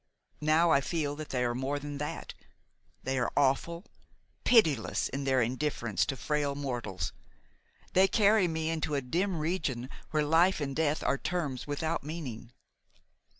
Now I feel that they are more than that, they are awful, pitiless in their indifference to frail mortals; they carry me into a dim region where life and death are terms without meaning."